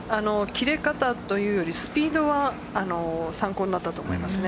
切れ方というよりスピードは参考になったと思います。